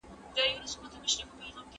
وخت پېژندنه د پرمختګ نښه ده.